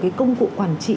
cái công cụ quản trị